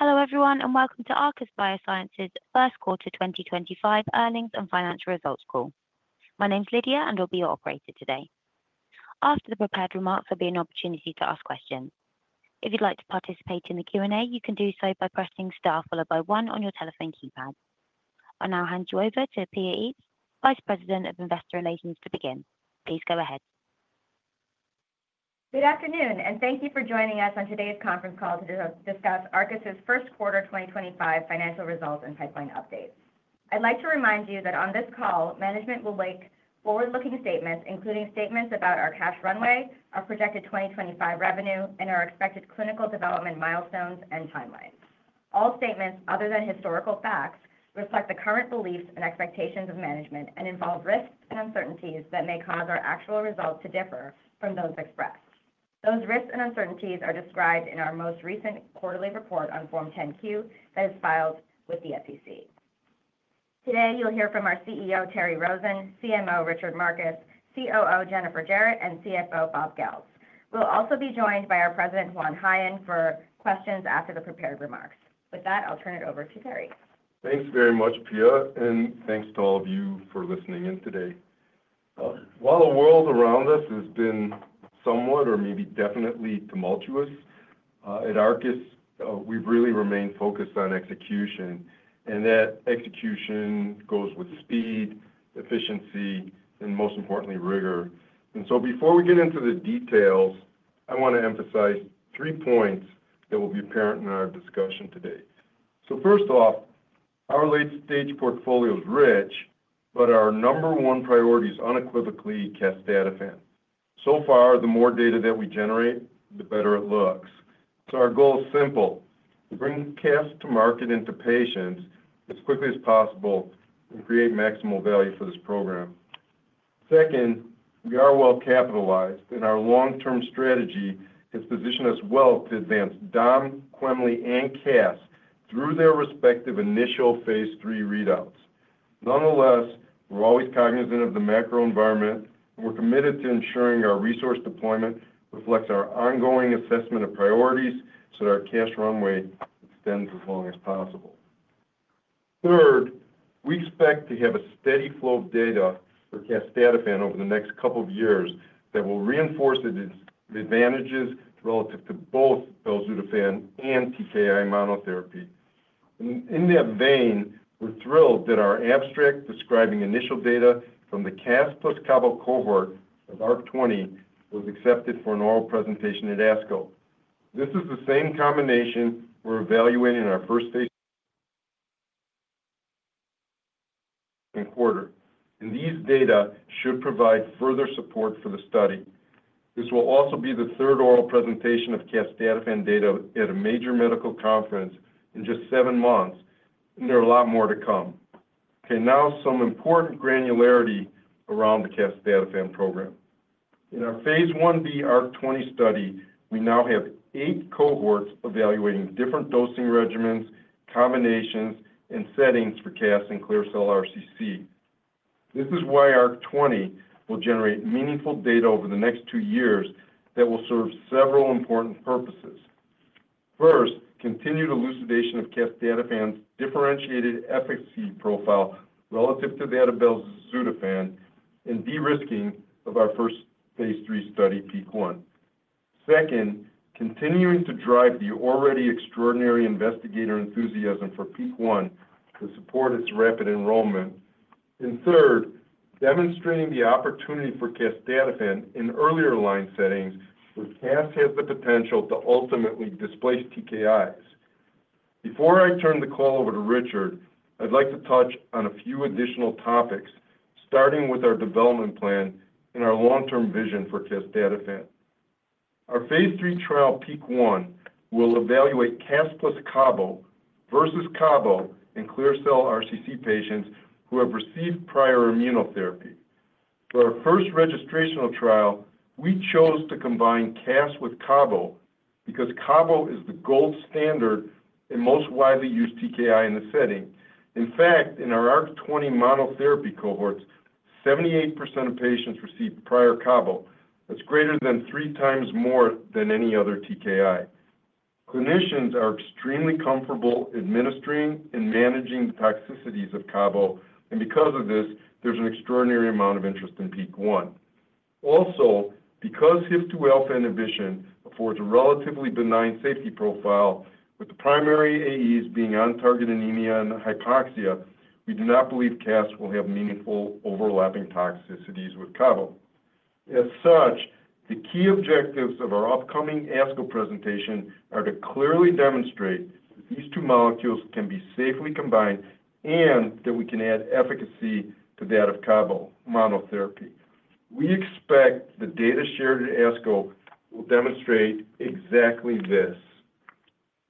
Hello everyone and welcome to Arcus Biosciences' First Quarter 2025 Earnings and Financial Results Call. My name's Lydia and I'll be your operator today. After the prepared remarks, there'll be an opportunity to ask questions. If you'd like to participate in the Q&A, you can do so by pressing star followed by one on your telephone keypad. I'll now hand you over to Pia Eaves, Vice President of Investor Relations, to begin. Please go ahead. Good afternoon and thank you for joining us on today's conference call to discuss Arcus' first quarter 2025 financial results and pipeline updates. I'd like to remind you that on this call, management will make forward-looking statements, including statements about our CAHPS runway, our projected 2025 revenue, and our expected clinical development milestones and timelines. All statements, other than historical facts, reflect the current beliefs and expectations of management and involve risks and uncertainties that may cause our actual results to differ from those expressed. Those risks and uncertainties are described in our most recent quarterly report on Form 10Q that is filed with the SEC. Today you'll hear from our CEO, Terry Rosen, CMO, Richard Markus, COO, Jennifer Jarrett, and CFO, Bob Goeltz. We'll also be joined by our President, Juan Jaen, for questions after the prepared remarks. With that, I'll turn it over to Terry. Thanks very much, Pia, and thanks to all of you for listening in today. While the world around us has been somewhat or maybe definitely tumultuous, at Arcus we've really remained focused on execution, and that execution goes with speed, efficiency, and most importantly, rigor. Before we get into the details, I want to emphasize three points that will be apparent in our discussion today. First off, our late-stage portfolio is rich, but our number one priority is unequivocally casdatifan. So far, the more data that we generate, the better it looks. Our goal is simple: bring casdatifan to market and to patients as quickly as possible and create maximal value for this program. Second, we are well capitalized, and our long-term strategy has positioned us well to advance Dom, kwemli, and cas through their respective initial phase three readouts. Nonetheless, we're always cognizant of the macro environment, and we're committed to ensuring our resource deployment reflects our ongoing assessment of priorities so that our cash runway extends as long as possible. Third, we expect to have a steady flow of data for casdatifan over the next couple of years that will reinforce the advantages relative to both belzutifan and TKI monotherapy. In that vein, we're thrilled that our abstract describing initial data from the cas plus cabo cohort of ARC-20 was accepted for an oral presentation at ASCO. This is the same combination we're evaluating in our first phase and quarter, and these data should provide further support for the study. This will also be the third oral presentation of casdatifan data at a major medical conference in just seven months, and there are a lot more to come. Okay, now some important granularity around the casdatifan program. In our phase I-B ARC-20 study, we now have eight cohorts evaluating different dosing regimens, combinations, and settings for cas in clear cell RCC. This is why ARC-20 will generate meaningful data over the next two years that will serve several important purposes. First, continued elucidation of casdatifan's differentiated efficacy profile relative to that of belzutifan and derisking of our first phase III study, PEAK-1. Second, continuing to drive the already extraordinary investigator enthusiasm for PEAK-1 to support its rapid enrollment. Third, demonstrating the opportunity for casdatifan in earlier line settings where casdatifan has the potential to ultimately displace TKIs. Before I turn the call over to Richard, I'd like to touch on a few additional topics, starting with our development plan and our long-term vision for casdatifan. Our phase III trial, PEAK-1, will evaluate cas plus cabo versus cabo in clear cell RCC patients who have received prior immunotherapy. For our first registrational trial, we chose to combine cas with cabo because cabozantinib is the gold standard and most widely used TKI in the setting. In fact, in our ARC-20 monotherapy cohorts, 78% of patients received prior cabo. That's greater than three times more than any other TKI. Clinicians are extremely comfortable administering and managing the toxicities of cabo, and because of this, there's an extraordinary amount of interest in PEAK-1. Also, because HIF-2α inhibition affords a relatively benign safety profile with the primary AEs being on-target anemia and hypoxia, we do not believe cas will have meaningful overlapping toxicities with cabo. As such, the key objectives of our upcoming ASCO presentation are to clearly demonstrate that these two molecules can be safely combined and that we can add efficacy to that of cabo monotherapy. We expect the data shared at ASCO will demonstrate exactly this.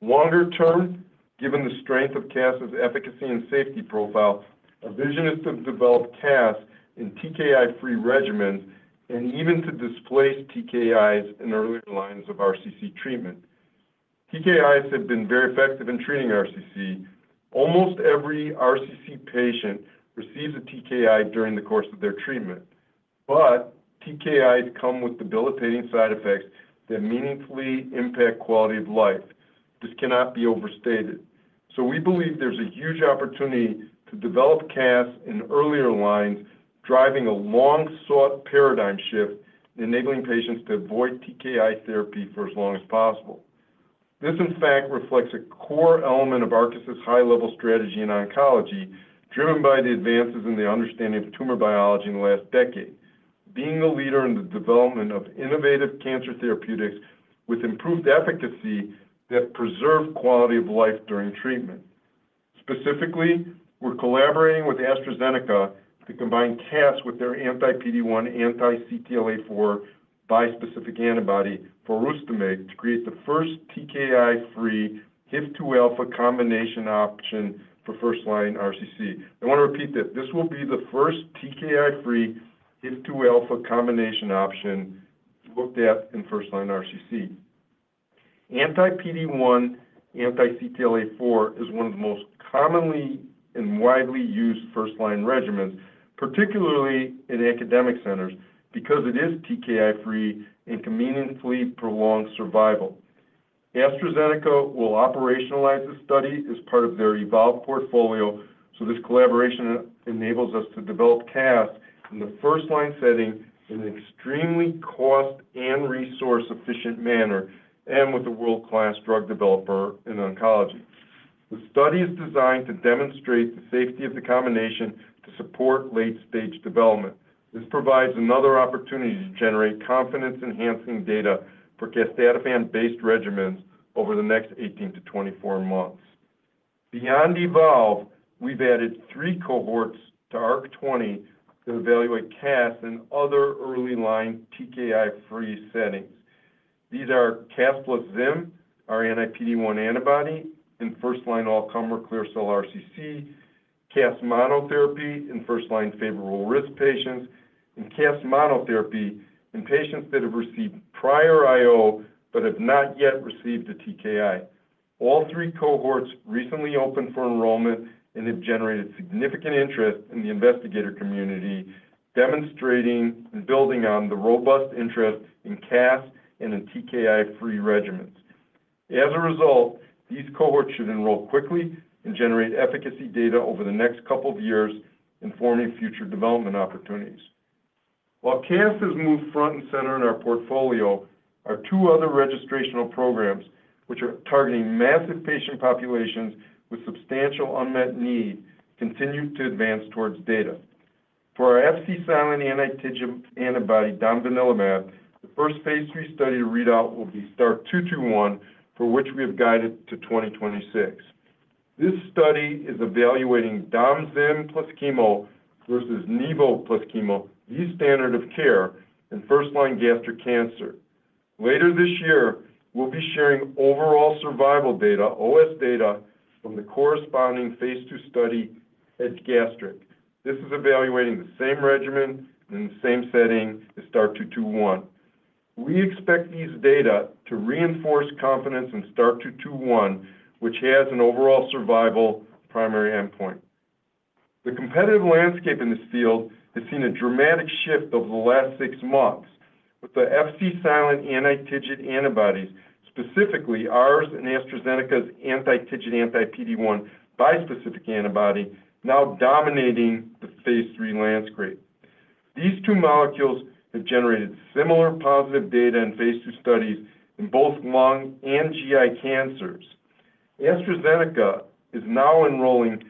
Longer term, given the strength of casdatifan's efficacy and safety profile, our vision is to develop cas in TKI-free regimens and even to displace TKIs in earlier lines of RCC treatment. TKIs have been very effective in treating RCC. Almost every RCC patient receives a TKI during the course of their treatment, but TKIs come with debilitating side effects that meaningfully impact quality of life. This cannot be overstated. We believe there's a huge opportunity to develop casdatifan in earlier lines, driving a long-sought paradigm shift and enabling patients to avoid TKI therapy for as long as possible. This, in fact, reflects a core element of Arcus' high-level strategy in oncology, driven by the advances in the understanding of tumor biology in the last decade, being a leader in the development of innovative cancer therapeutics with improved efficacy that preserve quality of life during treatment. Specifically, we're collaborating with AstraZeneca to combine cas with their anti-PD-1, anti-CTLA-4 bispecific antibody volrustomig to create the first TKI-free HIF-2α combination option for first-line RCC. I want to repeat that this will be the first TKI-free HIF-2α combination option looked at in first-line RCC. Anti-PD-1, anti-CTLA-4 is one of the most commonly and widely used first-line regimens, particularly in academic centers, because it is TKI-free and can meaningfully prolong survival. AstraZeneca will operationalize the study as part of their EvolveD portfolio, so this collaboration enables us to develop cas in the first-line setting in an extremely cost and resource-efficient manner and with a world-class drug developer in oncology. The study is designed to demonstrate the safety of the combination to support late-stage development. This provides another opportunity to generate confidence-enhancing data for casdatifan-based regimens over the next 18-24 months. Beyond EvolveD, we've added three cohorts to ARC-20 to evaluate casdatifan in other early line TKI-free settings. These are casdatifan plus zimberelimab, our anti-PD-1 antibody in first-line all-comer or clear cell RCC, casdatifan monotherapy in first-line favorable risk patients, and casdatifan monotherapy in patients that have received prior IO but have not yet received a TKI. All three cohorts recently opened for enrollment and have generated significant interest in the investigator community, demonstrating and building on the robust interest in casdatifan and in TKI-free regimens. As a result, these cohorts should enroll quickly and generate efficacy data over the next couple of years, informing future development opportunities. While cas has moved front and center in our portfolio, our two other registrational programs, which are targeting massive patient populations with substantial unmet need, continue to advance towards data. For our Fc-silent anti-TIGIT antibody, domvanalimab, the first phase 3 study readout will be STAR-221, for which we have guided to 2026. This study is evaluating domvanalimab plus chemo versus nivo plus chemo, the standard of care in first-line gastric cancer. Later this year, we'll be sharing overall survival data, OS data, from the corresponding phase II study at gastric. This is evaluating the same regimen in the same setting as STAR-221. We expect these data to reinforce confidence in STAR-221, which has an overall survival primary endpoint. The competitive landscape in this field has seen a dramatic shift over the last six months, with the Fc-silent anti-TIGIT antibodies, specifically ours and AstraZeneca's anti-TIGIT anti-PD-1 bispecific antibody, now dominating the phase three landscape. These two molecules have generated similar positive data in phase two studies in both lung and GI cancers. AstraZeneca is now enrolling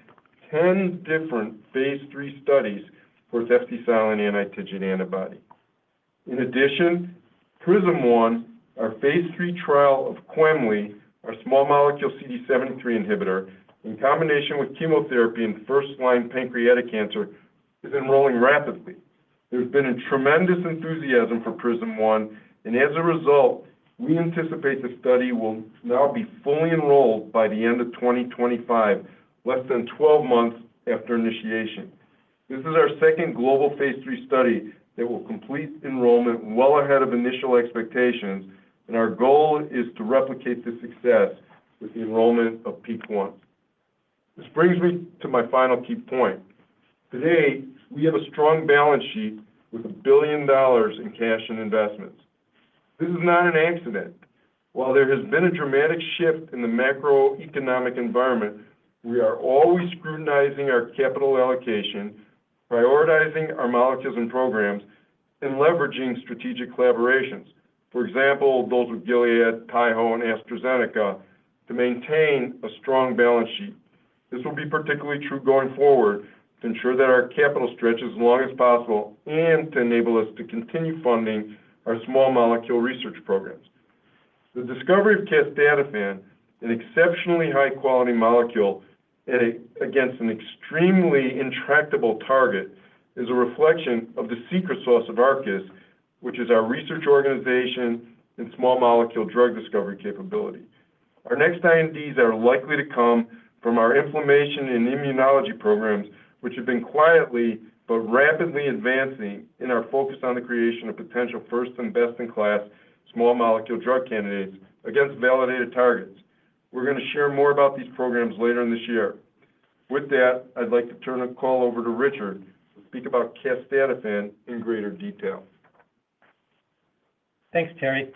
10 different phase three studies for its Fc-silent anti-TIGIT antibody. In addition, PRISM-1, our phase three trial of quemliclustat, our small molecule CD73 inhibitor, in combination with chemotherapy in first-line pancreatic cancer, is enrolling rapidly. There's been a tremendous enthusiasm for PRISM-1, and as a result, we anticipate the study will now be fully enrolled by the end of 2025, less than 12 months after initiation. This is our second global phase III study that will complete enrollment well ahead of initial expectations, and our goal is to replicate the success with the enrollment of PEAK-1. This brings me to my final key point. Today, we have a strong balance sheet with $1 billion in cash and investments. This is not an accident. While there has been a dramatic shift in the macroeconomic environment, we are always scrutinizing our capital allocation, prioritizing our molecules and programs, and leveraging strategic collaborations, for example, those with Gilead, Taiho, and AstraZeneca, to maintain a strong balance sheet. This will be particularly true going forward to ensure that our capital stretches as long as possible and to enable us to continue funding our small molecule research programs. The discovery of casdatifan, an exceptionally high-quality molecule against an extremely intractable target, is a reflection of the secret sauce of Arcus, which is our research organization and small molecule drug discovery capability. Our next INDs are likely to come from our inflammation and immunology programs, which have been quietly but rapidly advancing in our focus on the creation of potential first and best-in-class small molecule drug candidates against validated targets. We're going to share more about these programs later in this year. With that, I'd like to turn the call over to Richard to speak about casdatifan in greater detail. Thanks, Terry.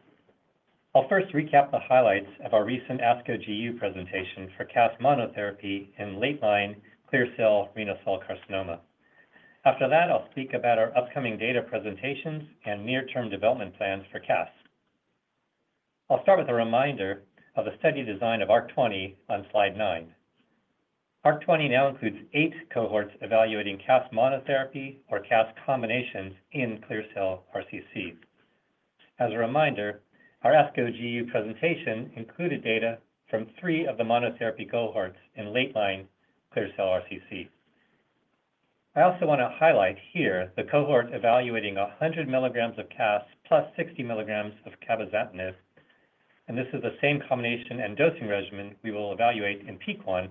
I'll first recap the highlights of our recent ASCO GU presentation for casdatifan monotherapy in late-line clear cell renal cell carcinoma. After that, I'll speak about our upcoming data presentations and near-term development plans for casdatifan. I'll start with a reminder of the study design of ARC-20 on slide nine. ARC-20 now includes eight cohorts evaluating casdatifan monotherapy or casdatifan combinations in clear cell RCC. As a reminder, our ASCO GU presentation included data from three of the monotherapy cohorts in late-line clear cell RCC. I also want to highlight here the cohort evaluating 100 milligrams of cas plus 60 milligrams of cabozantinib, and this is the same combination and dosing regimen we will evaluate in PEAK-1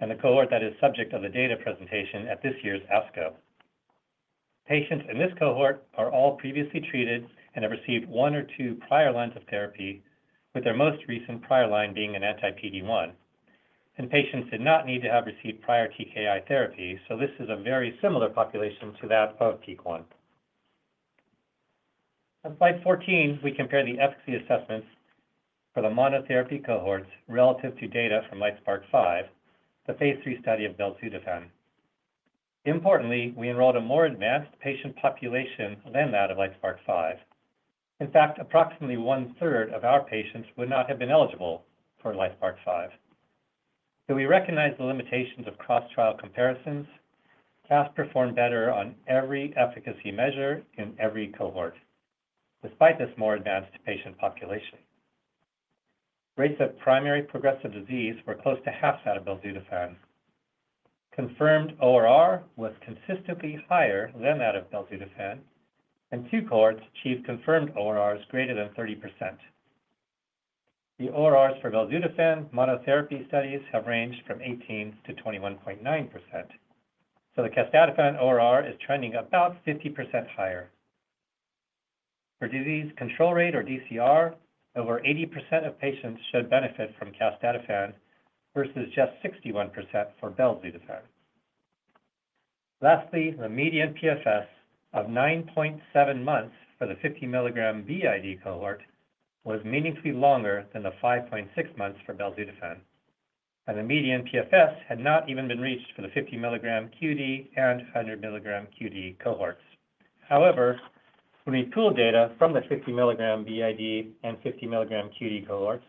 and the cohort that is subject of the data presentation at this year's ASCO. Patients in this cohort are all previously treated and have received one or two prior lines of therapy, with their most recent prior line being an anti-PD-1, and patients did not need to have received prior TKI therapy, so this is a very similar population to that of PEAK-1. On slide 14, we compare the efficacy assessments for the monotherapy cohorts relative to data from LYTE-SPARK-5, the phase III study of belzutifan. Importantly, we enrolled a more advanced patient population than that of LYTE-SPARK-5. In fact, approximately one-third of our patients would not have been eligible for LYTE-SPARK-5. We recognize the limitations of cross-trial comparisons. Cas performed better on every efficacy measure in every cohort, despite this more advanced patient population. Rates of primary progressive disease were close to half that of belzutifan. Confirmed ORR was consistently higher than that of belzutifan, and two cohorts achieved confirmed ORRs greater than 30%. The ORRs for belzutifan monotherapy studies have ranged from 18-21.9%. The casdatifan ORR is trending about 50% higher. For disease control rate, or DCR, over 80% of patients should benefit from casdatifan versus just 61% for belzutifan. Lastly, the median PFS of 9.7 months for the 50 milligram BID cohort was meaningfully longer than the 5.6 months for belzutifan, and the median PFS had not even been reached for the 50 milligram QD and 100 milligram QD cohorts. However, when we pooled data from the 50 milligram BID and 50 milligram QD cohorts,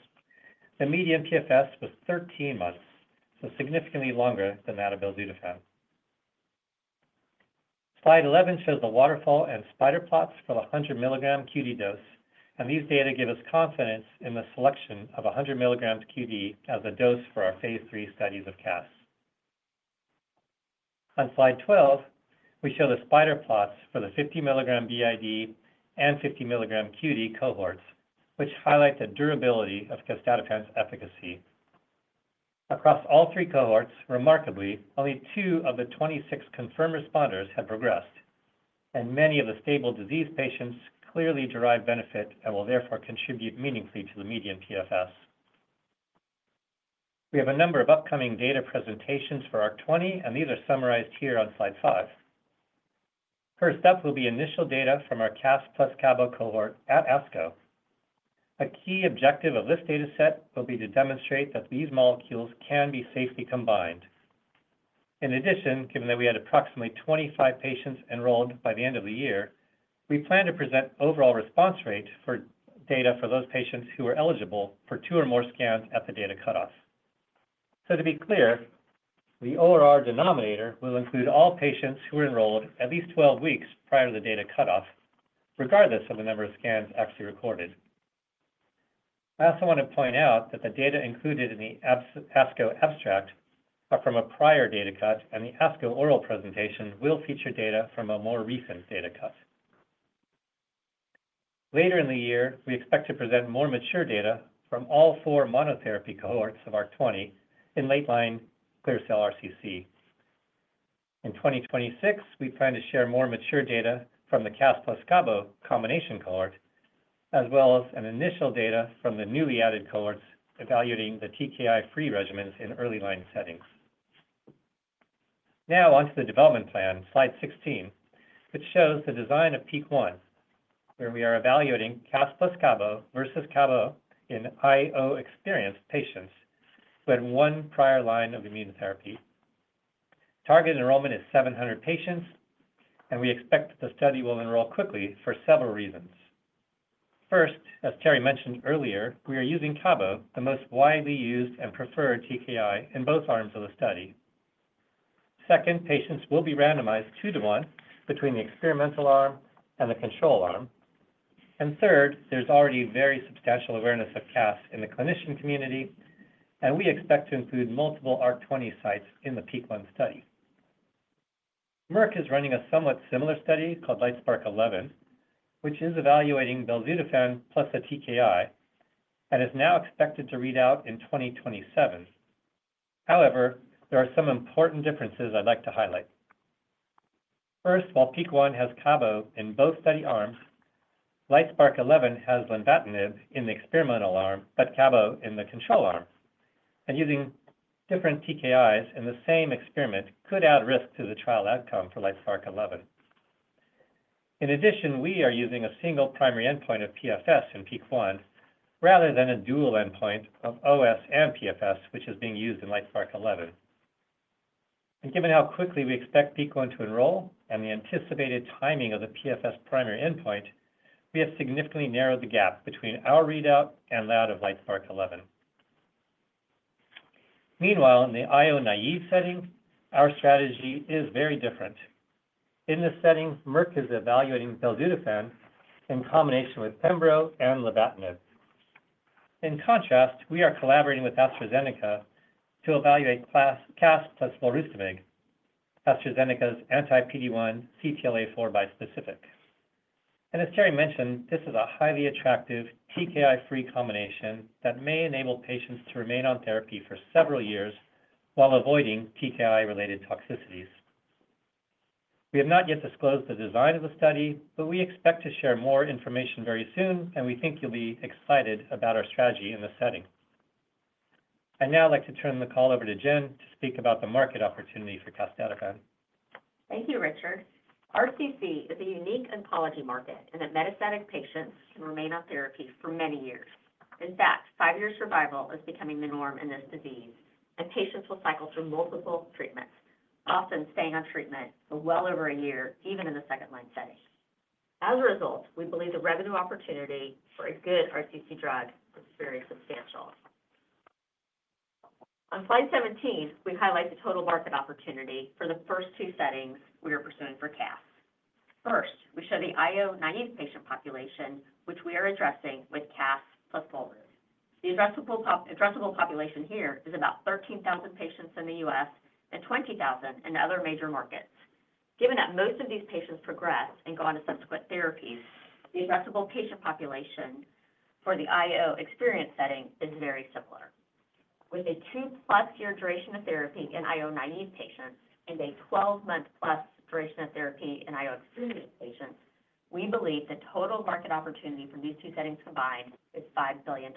the median PFS was 13 months, significantly longer than that of belzutifan. Slide 11 shows the waterfall and spider plots for the 100 milligram QD dose, and these data give us confidence in the selection of 100 milligram QD as a dose for our phase three studies of casdatifan. On slide 12, we show the spider plots for the 50 milligram BID and 50 milligram QD cohorts, which highlight the durability of casdatifan's efficacy. Across all three cohorts, remarkably, only two of the 26 confirmed responders have progressed, and many of the stable disease patients clearly derive benefit and will therefore contribute meaningfully to the median PFS. We have a number of upcoming data presentations for ARC-20, and these are summarized here on slide five. First up will be initial data from our casdatifan plus cabozantinib cohort at ASCO. A key objective of this data set will be to demonstrate that these molecules can be safely combined. In addition, given that we had approximately 25 patients enrolled by the end of the year, we plan to present overall response rate data for those patients who are eligible for two or more scans at the data cutoff. To be clear, the ORR denominator will include all patients who were enrolled at least 12 weeks prior to the data cutoff, regardless of the number of scans actually recorded. Last, I want to point out that the data included in the ASCO abstract are from a prior data cut, and the ASCO oral presentation will feature data from a more recent data cut. Later in the year, we expect to present more mature data from all four monotherapy cohorts of ARC-20 in late-line clear cell RCC. In 2026, we plan to share more mature data from the casdatifan plus cabozantinib combination cohort, as well as initial data from the newly added cohorts evaluating the TKI-free regimens in early line settings. Now, onto the development plan, slide 16, which shows the design of PEAK-1, where we are evaluating casdatifan plus cabozantinib versus cabozantinib in IO-experienced patients who had one prior line of immunotherapy. Target enrollment is 700 patients, and we expect that the study will enroll quickly for several reasons. First, as Terry mentioned earlier, we are using cabozantinib, the most widely used and preferred TKI, in both arms of the study. Second, patients will be randomized two to one between the experimental arm and the control arm. Third, there is already very substantial awareness of casdatifan in the clinician community, and we expect to include multiple ARC-20 sites in the PEAK-1 study. Merck is running a somewhat similar study called LYTE-SPARK11, which is evaluating belzutifan plus the TKI and is now expected to read out in 2027. However, there are some important differences I'd like to highlight. First, while PEAK-1 has cabozantinib in both study arms, LYTE-SPARK11 has lenvatinib in the experimental arm but cabozantinib in the control arm, and using different TKIs in the same experiment could add risk to the trial outcome for LYTE-SPARK11. In addition, we are using a single primary endpoint of PFS in PEAK-1 rather than a dual endpoint of OS and PFS, which is being used in LYTE-SPARK11. Given how quickly we expect PEAK-1 to enroll and the anticipated timing of the PFS primary endpoint, we have significantly narrowed the gap between our readout and that of LYTE-SPARK11. Meanwhile, in the IO naive setting, our strategy is very different. In this setting, Merck is evaluating belzutifan in combination with pembro and lenvatinib. In contrast, we are collaborating with AstraZeneca to evaluate casdatifan plus volrustomig, AstraZeneca's anti-PD-1/CTLA-4 bispecific. As Terry mentioned, this is a highly attractive TKI-free combination that may enable patients to remain on therapy for several years while avoiding TKI-related toxicities. We have not yet disclosed the design of the study, but we expect to share more information very soon, and we think you'll be excited about our strategy in this setting. I'd now like to turn the call over to Jen to speak about the market opportunity for casdatifan. Thank you, Richard. RCC is a unique oncology market in that metastatic patients can remain on therapy for many years. In fact, five-year survival is becoming the norm in this disease, and patients will cycle through multiple treatments, often staying on treatment for well over a year, even in the second-line setting. As a result, we believe the revenue opportunity for a good RCC drug is very substantial. On slide 17, we highlight the total market opportunity for the first two settings we are pursuing for casdatifan. First, we show the IO naive patient population, which we are addressing with casdatifan plus cabozantinib. The addressable population here is about 13,000 patients in the US and 20,000 in other major markets. Given that most of these patients progress and go on to subsequent therapies, the addressable patient population for the IO experienced setting is very similar. With a two-plus year duration of therapy in IO naive patients and a 12-month-plus duration of therapy in IO experienced patients, we believe the total market opportunity for these two settings combined is $5 billion.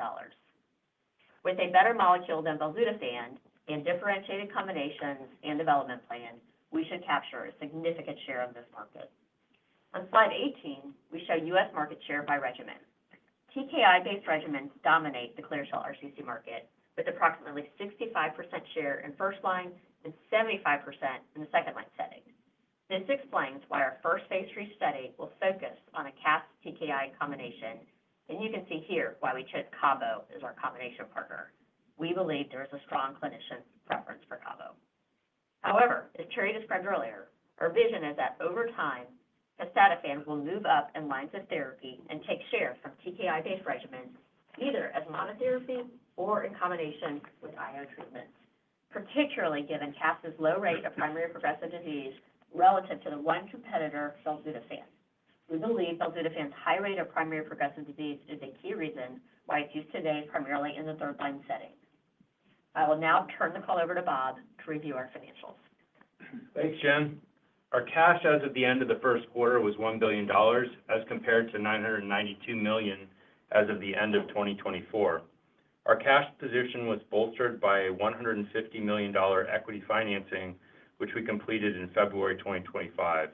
With a better molecule than belzutifan and differentiated combinations and development plan, we should capture a significant share of this market. On slide 18, we show US market share by regimen. TKI-based regimens dominate the clear cell RCC market with approximately 65% share in first line and 75% in the second-line setting. This explains why our first phase three study will focus on a casdatifan TKI combination, and you can see here why we chose cabo as our combination partner. We believe there is a strong clinician preference for cabo. However, as Terry described earlier, our vision is that over time, casdatifan will move up in lines of therapy and take share from TKI-based regimens, either as monotherapy or in combination with IO treatments, particularly given casdatifan's low rate of primary progressive disease relative to the one competitor, belzutifan. We believe belzutifan's high rate of primary progressive disease is a key reason why it's used today primarily in the third-line setting. I will now turn the call over to Bob to review our financials. Thanks, Jen. Our cash as of the end of the first quarter was $1 billion as compared to $992 million as of the end of 2024. Our cash position was bolstered by a $150 million equity financing, which we completed in February 2025.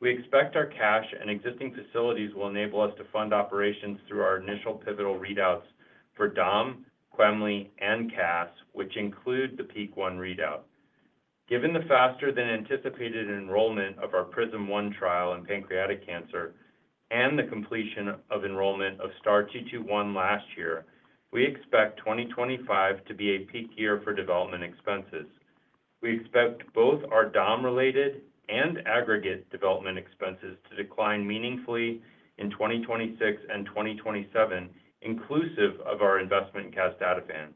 We expect our cash and existing facilities will enable us to fund operations through our initial pivotal readouts for DAM, kwemli, and cast, which include the PEAK-1 readout. Given the faster-than-anticipated enrollment of our PRISM-1 trial in pancreatic cancer and the completion of enrollment of STAR-221 last year, we expect 2025 to be a peak year for development expenses. We expect both our DAM-related and aggregate development expenses to decline meaningfully in 2026 and 2027, inclusive of our investment in casdatifan.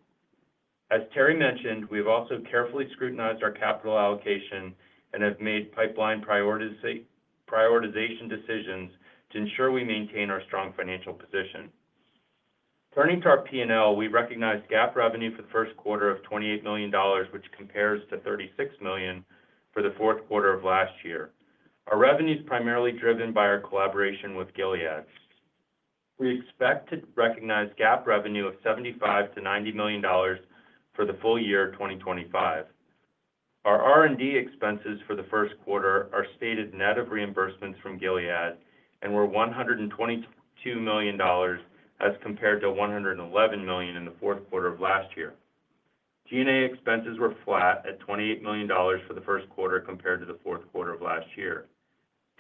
As Terry mentioned, we have also carefully scrutinized our capital allocation and have made pipeline prioritization decisions to ensure we maintain our strong financial position. Turning to our P&L, we recognize GAAP revenue for the first quarter of $28 million, which compares to $36 million for the fourth quarter of last year. Our revenue is primarily driven by our collaboration with Gilead. We expect to recognize gap revenue of $75 million-$90 million for the full year of 2025. Our R&D expenses for the first quarter are stated net of reimbursements from Gilead and were $122 million as compared to $111 million in the fourth quarter of last year. G&A expenses were flat at $28 million for the first quarter compared to the fourth quarter of last year.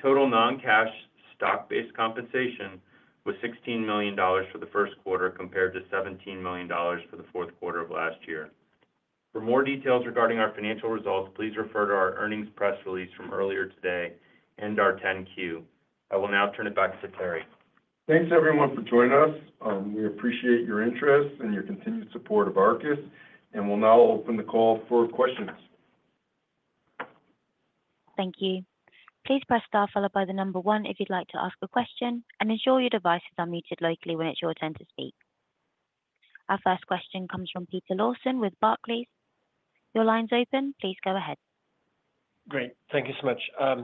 Total non-cash stock-based compensation was $16 million for the first quarter compared to $17 million for the fourth quarter of last year. For more details regarding our financial results, please refer to our earnings press release from earlier today and our 10-Q. I will now turn it back to Terry. Thanks, everyone, for joining us. We appreciate your interest and your continued support of Arcus, and we'll now open the call for questions. Thank you. Please press star followed by the number one if you'd like to ask a question, and ensure your device is unmuted locally when it's your turn to speak. Our first question comes from Peter Lawson with Barclays, please. Your line's open. Please go ahead. Great. Thank you so much. I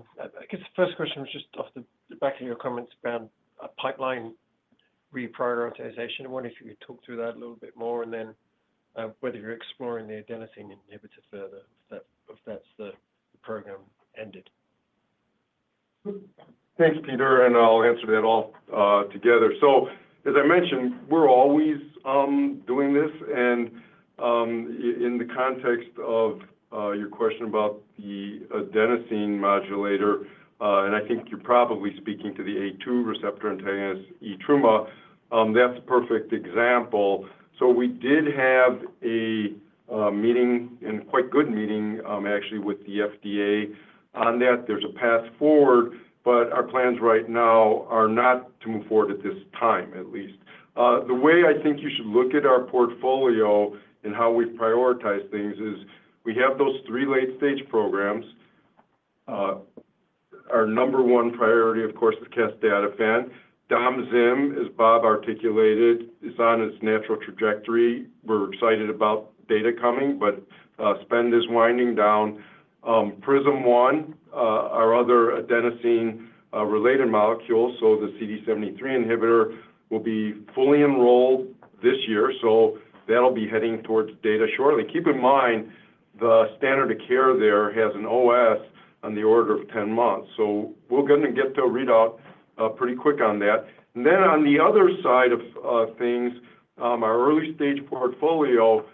guess the first question was just off the back of your comments around pipeline reprioritization. I wonder if you could talk through that a little bit more and then whether you're exploring the adenosine inhibitor further if that's the program ended? Thanks, Peter, and I'll answer that all together. As I mentioned, we're always doing this, and in the context of your question about the adenosine modulator, and I think you're probably speaking to the A2 receptor antagonist etrumadenant, that's a perfect example. We did have a meeting, and quite good meeting, actually, with the FDA on that. There's a path forward, but our plans right now are not to move forward at this time, at least. The way I think you should look at our portfolio and how we prioritize things is we have those three late-stage programs. Our number one priority, of course, is casdatifan. Domvanalimab, as Bob articulated, is on its natural trajectory. We're excited about data coming, but spend is winding down. PRISM-1, our other adenosine-related molecule, so the CD73 inhibitor, will be fully enrolled this year, so that'll be heading towards data shortly. Keep in mind the standard of care there has an OS on the order of 10 months, so we're going to get to a readout pretty quick on that. On the other side of things, our early-stage portfolio,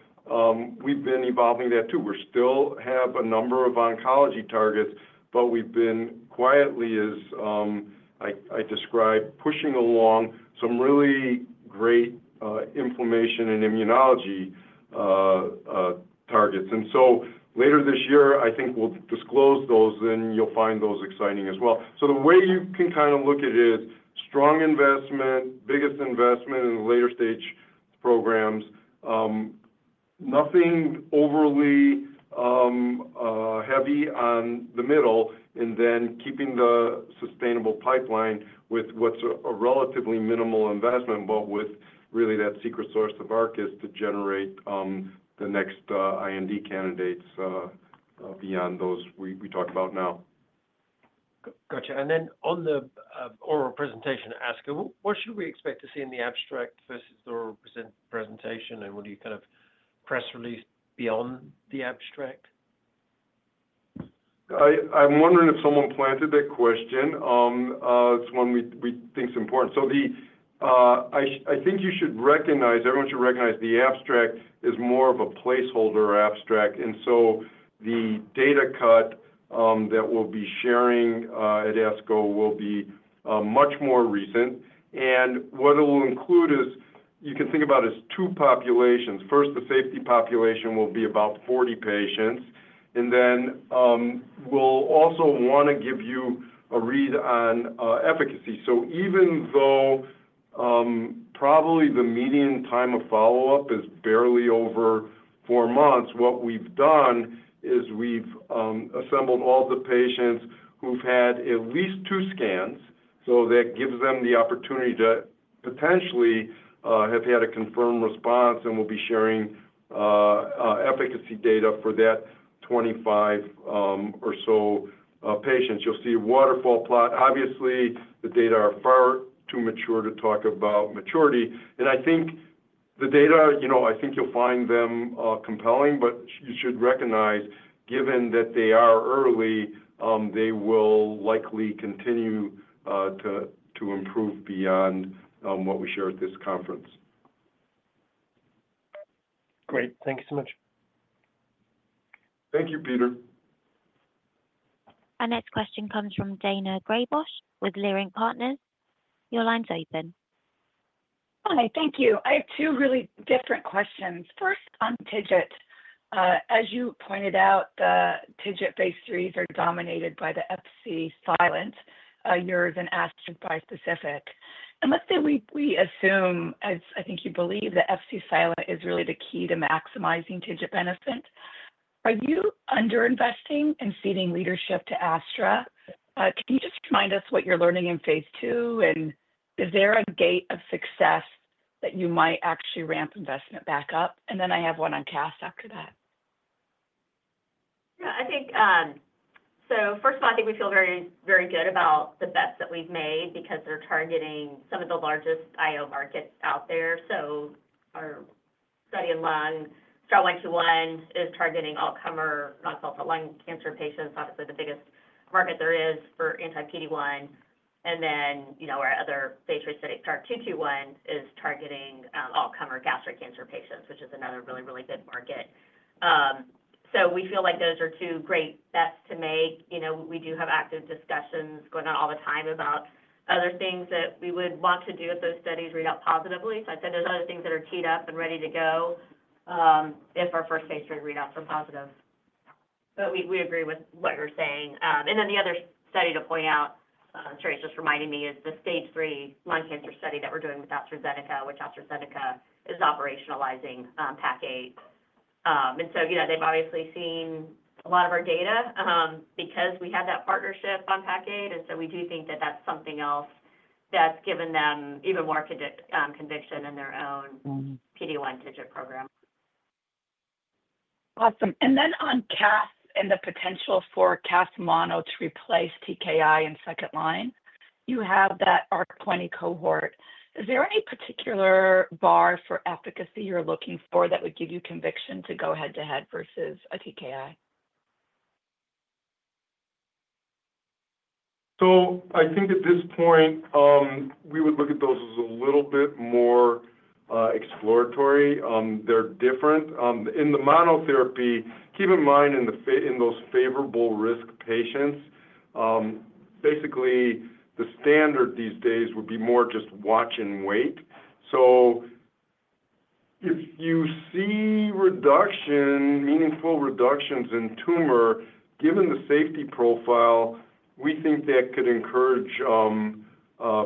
we've been evolving that too. We still have a number of oncology targets, but we've been quietly, as I described, pushing along some really great inflammation and immunology targets. Later this year, I think we'll disclose those, and you'll find those exciting as well. The way you can kind of look at it is strong investment, biggest investment in the later-stage programs, nothing overly heavy on the middle, and then keeping the sustainable pipeline with what's a relatively minimal investment, but with really that secret source of Arcus to generate the next IND candidates beyond those we talk about now. Gotcha. On the oral presentation, ASCO, what should we expect to see in the abstract versus the oral presentation, and will you kind of press release beyond the abstract? I'm wondering if someone planted that question. It's one we think is important. I think you should recognize, everyone should recognize, the abstract is more of a placeholder abstract, and the data cut that we'll be sharing at ASCO will be much more recent. What it will include is, you can think about it as two populations. First, the safety population will be about 40 patients, and then we'll also want to give you a read on efficacy. Even though probably the median time of follow-up is barely over four months, what we've done is we've assembled all the patients who've had at least two scans, so that gives them the opportunity to potentially have had a confirmed response, and we'll be sharing efficacy data for that 25 or so patients. You'll see a waterfall plot. Obviously, the data are far too immature to talk about maturity, and I think the data, I think you'll find them compelling, but you should recognize, given that they are early, they will likely continue to improve beyond what we share at this conference. Great. Thank you so much. Thank you, Peter. Our next question comes from Daina Graybosch with Leerink Partners. Your line's open. Hi. Thank you. I have two really different questions. First, on TIGIT. As you pointed out, the TIGIT phase threes are dominated by the Fc-silent, yours and Astra bi-specific. Let's say we assume, as I think you believe, that Fc-silent is really the key to maximizing TIGIT benefit. Are you under-investing and ceding leadership to Astra? Can you just remind us what you're learning in phase II, and is there a gate of success that you might actually ramp investment back up? I have one on casdatifan after that. Yeah. First of all, I think we feel very, very good about the bets that we've made because they're targeting some of the largest IO markets out there. Our study in lung, STAR-121, is targeting all common non-small cell lung cancer patients, obviously the biggest market there is for anti-PD-1. Our other phase three study, STAR-221, is targeting all common gastric cancer patients, which is another really, really good market. We feel like those are two great bets to make. We do have active discussions going on all the time about other things that we would want to do if those studies read out positively. I'd say there are other things that are teed up and ready to go if our first phase three readouts are positive. We agree with what you're saying. The other study to point out, Terry's just reminding me, is the stage three lung cancer study that we are doing with AstraZeneca, which AstraZeneca is operationalizing, PAC8. They have obviously seen a lot of our data because we have that partnership on PAC8, and we do think that is something else that has given them even more conviction in their own PD-1 TIGIT program. Awesome. On cast and the potential for cast mono to replace TKI in second line, you have that ARC-20 cohort. Is there any particular bar for efficacy you are looking for that would give you conviction to go head-to-head versus a TKI? I think at this point, we would look at those as a little bit more exploratory. They are different. In the monotherapy, keep in mind in those favorable risk patients, basically the standard these days would be more just watch and wait. If you see reduction, meaningful reductions in tumor, given the safety profile, we think that could encourage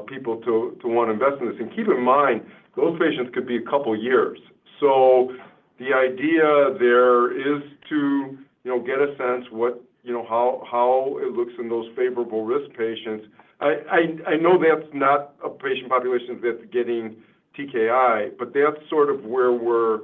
people to want to invest in this. Keep in mind, those patients could be a couple of years. The idea there is to get a sense of how it looks in those favorable risk patients. I know that's not a patient population that's getting TKI, but that's sort of where we're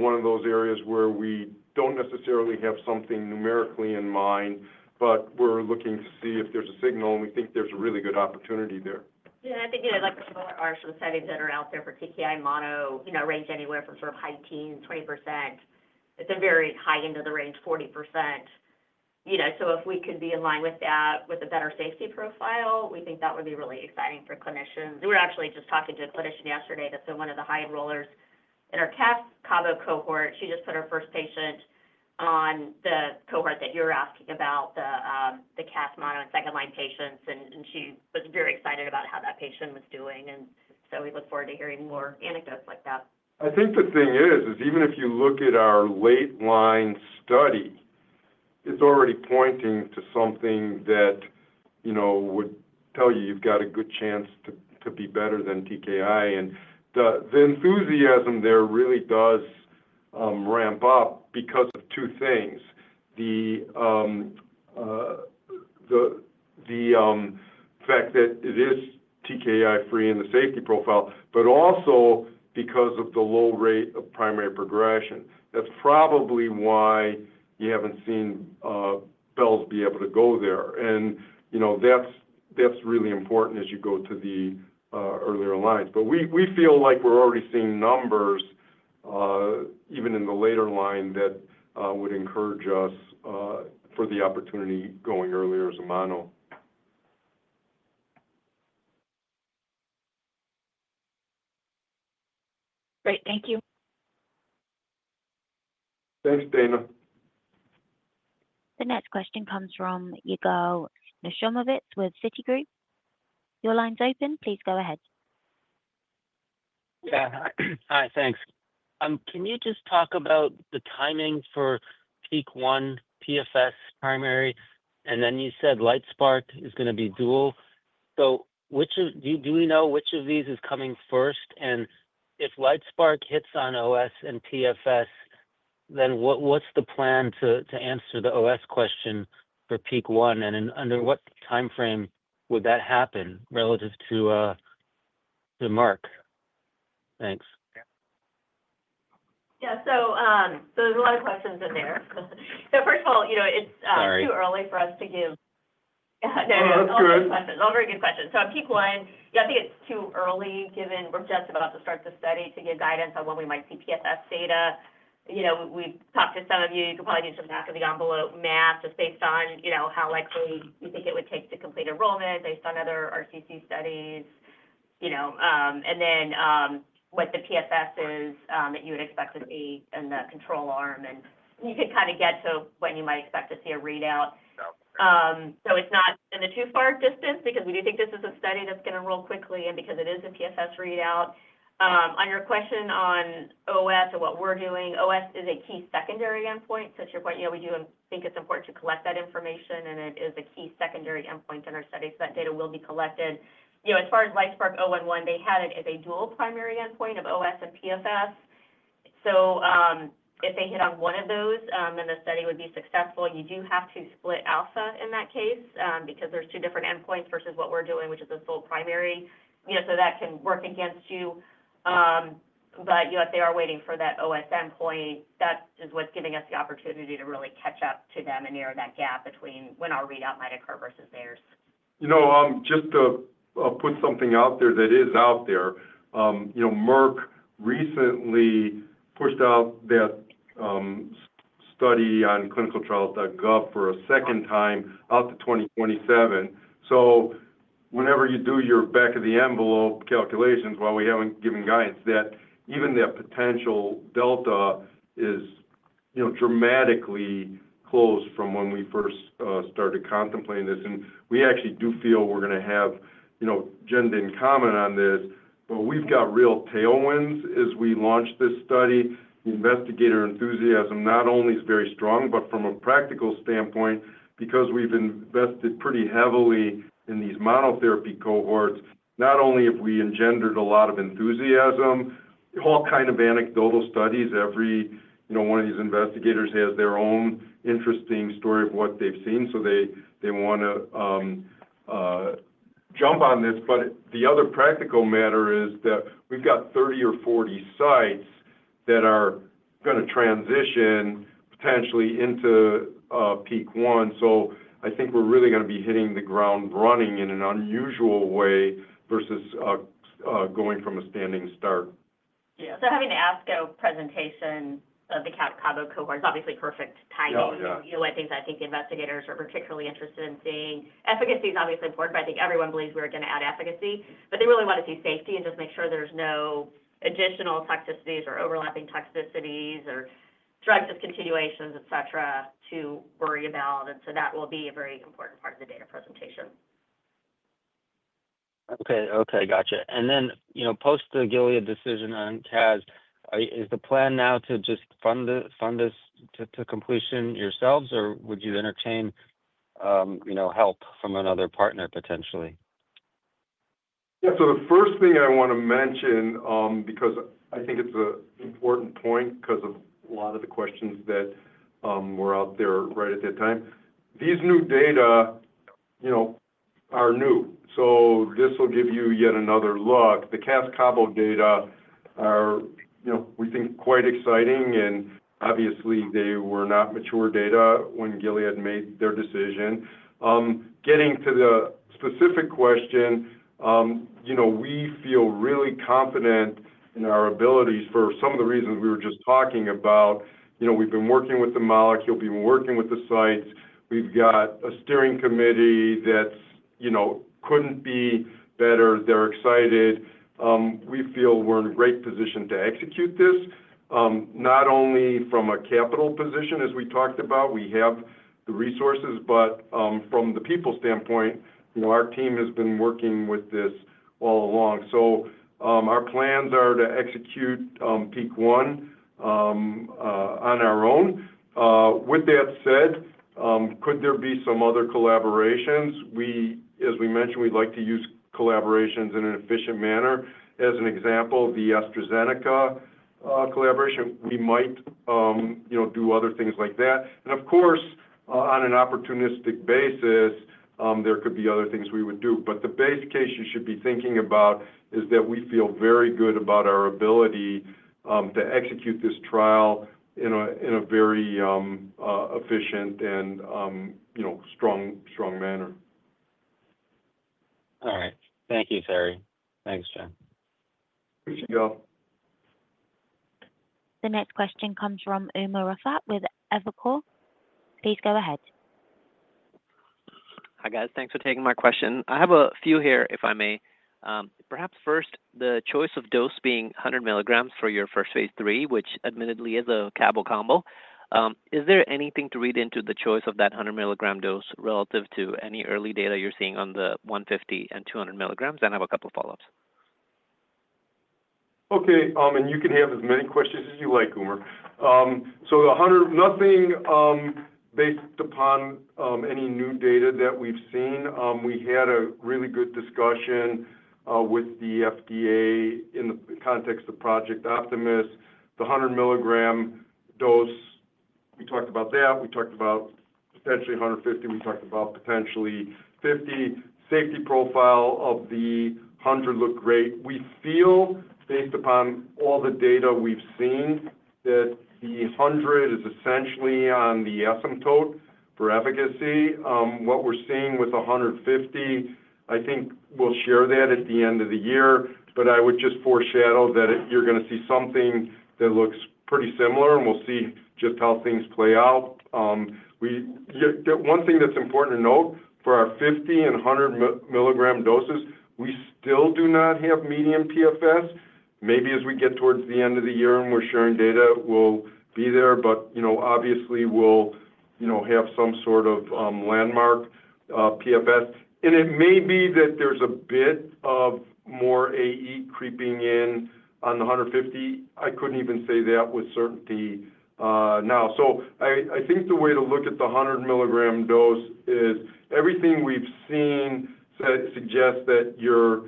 one of those areas where we don't necessarily have something numerically in mind, but we're looking to see if there's a signal, and we think there's a really good opportunity there. Yeah. I think like some of our studies that are out there for TKI mono range anywhere from sort of high teens, 20%. It's a very high end of the range, 40%. If we could be in line with that with a better safety profile, we think that would be really exciting for clinicians. We were actually just talking to a clinician yesterday that's one of the high enrollers in our casdatifan combo cohort. She just put her first patient on the cohort that you were asking about, the casdatifan mono in second-line patients, and she was very excited about how that patient was doing. We look forward to hearing more anecdotes like that. I think the thing is, even if you look at our late-line study, it's already pointing to something that would tell you you've got a good chance to be better than TKI. The enthusiasm there really does ramp up because of two things: the fact that it is TKI-free in the safety profile, but also because of the low rate of primary progression. That is probably why you have not seen belzutifan be able to go there. That is really important as you go to the earlier lines. We feel like we are already seeing numbers, even in the later line, that would encourage us for the opportunity going earlier as a mono. Great. Thank you. Thanks, Daina. The next question comes from Yigal Nochomovitz with Citigroup. Your line is open. Please go ahead. Yeah. Hi. Thanks. Can you just talk about the timing for PEAK-1 PFS primary? And then you said Lightspark is going to be dual. Do we know which of these is coming first? If Lightspark hits on OS and PFS, then what's the plan to answer the OS question for PEAK-1? And under what timeframe would that happen relative to Merck? Thanks. Yeah. There's a lot of questions in there. First of all, it's too early for us to give—sorry. Yeah. No. No worries. All the right questions. All the right good questions. On PEAK-1, yeah, I think it's too early given we're just about to start the study to give guidance on when we might see PFS data. We've talked to some of you. You could probably do some back-of-the-envelope math just based on how likely you think it would take to complete enrollment based on other RCC studies. And then what the PFS is that you would expect to see in the control arm. You could kind of get to when you might expect to see a readout. It is not in the too far distance because we do think this is a study that is going to roll quickly and because it is a PFS readout. On your question on OS and what we are doing, OS is a key secondary endpoint. To your point, we do think it is important to collect that information, and it is a key secondary endpoint in our study so that data will be collected. As far as Lightspark 011, they had it as a dual primary endpoint of OS and PFS. If they hit on one of those and the study would be successful, you do have to split alpha in that case because there are two different endpoints versus what we are doing, which is a sole primary. That can work against you. If they are waiting for that OS endpoint, that is what's giving us the opportunity to really catch up to them and narrow that gap between when our readout might occur versus theirs. Just to put something out there that is out there, Merck recently pushed out that study on clinicaltrials.gov for a second time out to 2027. Whenever you do your back-of-the-envelope calculations, while we haven't given guidance, even that potential delta is dramatically closed from when we first started contemplating this. We actually do feel we're going to have gender in common on this, but we've got real tailwinds as we launched this study. Investigator enthusiasm not only is very strong, but from a practical standpoint, because we've invested pretty heavily in these monotherapy cohorts, not only have we engendered a lot of enthusiasm, all kinds of anecdotal studies. Every one of these investigators has their own interesting story of what they've seen, so they want to jump on this. The other practical matter is that we've got 30 or 40 sites that are going to transition potentially into PEAK-1. I think we're really going to be hitting the ground running in an unusual way versus going from a standing start. Yeah. Having the ASCO presentation of the Cabo cohort is obviously perfect timing. I think the investigators are particularly interested in seeing efficacy, which is obviously important, but I think everyone believes we're going to add efficacy. They really want to see safety and just make sure there's no additional toxicities or overlapping toxicities or drug discontinuations, etc., to worry about. That will be a very important part of the data presentation. Okay. Okay. Gotcha. After the Gilead decision on CAS, is the plan now to just fund this to completion yourselves, or would you entertain help from another partner potentially? Yeah. The first thing I want to mention, because I think it is an important point because of a lot of the questions that were out there right at that time, these new data are new. This will give you yet another look. The cas combo data are, we think, quite exciting, and obviously, they were not mature data when Gilead made their decision. Getting to the specific question, we feel really confident in our abilities for some of the reasons we were just talking about. We have been working with the molecule. We have been working with the sites. We have a steering committee that could not be better. They are excited. We feel we're in a great position to execute this, not only from a capital position, as we talked about. We have the resources, but from the people standpoint, our team has been working with this all along. Our plans are to execute PEAK-1 on our own. With that said, could there be some other collaborations? As we mentioned, we'd like to use collaborations in an efficient manner. As an example, the AstraZeneca collaboration, we might do other things like that. Of course, on an opportunistic basis, there could be other things we would do. The base case you should be thinking about is that we feel very good about our ability to execute this trial in a very efficient and strong manner. All right. Thank you, Terry. Thanks, Jen. Appreciate y'all. The next question comes from Umer Raffat with Evercore. Please go ahead. Thanks for taking my question. I have a few here, if I may. Perhaps first, the choice of dose being 100 milligrams for your first phase three, which admittedly is a cabo combo. Is there anything to read into the choice of that 100 milligram dose relative to any early data you're seeing on the 150 and 200 milligrams? I have a couple of follow-ups. Okay. You can have as many questions as you like, Umer. Nothing based upon any new data that we've seen. We had a really good discussion with the FDA in the context of Project Optimus. The 100 milligram dose, we talked about that. We talked about potentially 150. We talked about potentially 50. Safety profile of the 100 looked great. We feel, based upon all the data we've seen, that the 100 is essentially on the asymptote for efficacy. What we're seeing with 150, I think we'll share that at the end of the year. I would just foreshadow that you're going to see something that looks pretty similar, and we'll see just how things play out. One thing that's important to note for our 50 and 100 milligram doses, we still do not have median PFS. Maybe as we get towards the end of the year and we're sharing data, we'll be there. Obviously, we'll have some sort of landmark PFS. It may be that there's a bit of more AE creeping in on the 150. I couldn't even say that with certainty now. I think the way to look at the 100 milligram dose is everything we've seen suggests that you're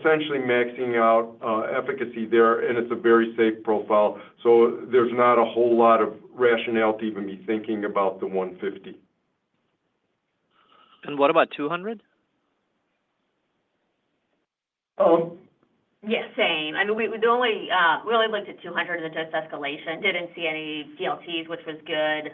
essentially maxing out efficacy there, and it's a very safe profile. There's not a whole lot of rationale to even be thinking about the 150. What about 200? Yeah. Same. I mean, we only looked at 200 in the dose escalation. Didn't see any DLTs, which was good.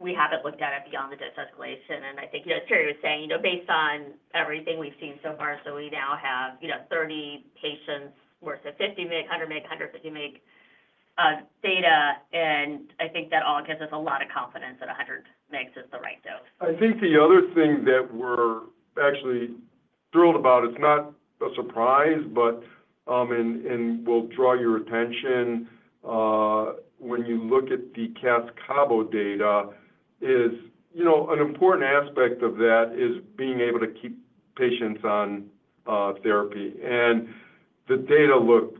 We haven't looked at it beyond the dose escalation. I think, as Terry was saying, based on everything we've seen so far, we now have 30 patients worth of 50 mg, 100 mg, 150 mg data. I think that all gives us a lot of confidence that 100 mg is the right dose. The other thing that we're actually thrilled about, it's not a surprise, but will draw your attention when you look at the cas combo data, is an important aspect of that is being able to keep patients on therapy. The data looked,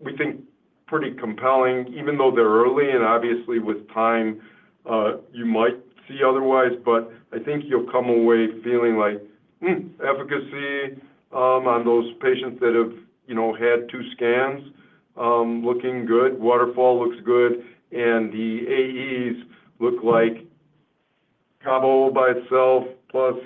we think, pretty compelling, even though they're early. Obviously, with time, you might see otherwise. I think you'll come away feeling like, "Efficacy on those patients that have had two scans looking good. Waterfall looks good." The AEs look like combo by itself plus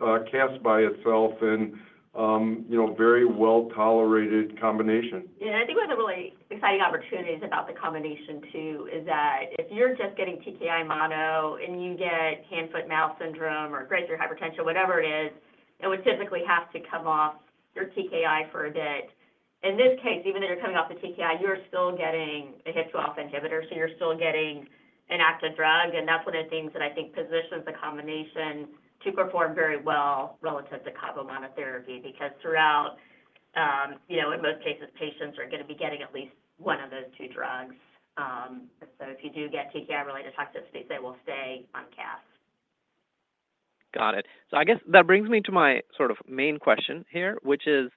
casdatifan by itself in a very well-tolerated combination. Yeah. I think one of the really exciting opportunities about the combination too is that if you're just getting TKI mono and you get hand-foot-mouth syndrome or grazer hypertension, whatever it is, you would typically have to come off your TKI for a bit. In this case, even though you're coming off the TKI, you're still getting a HIF-2α inhibitor. You're still getting an active drug. That's one of the things that I think positions the combination to perform very well relative to combo monotherapy because throughout, in most cases, patients are going to be getting at least one of those two drugs. If you do get TKI-related toxicities, they will stay on cast. Got it. I guess that brings me to my sort of main question here, which is,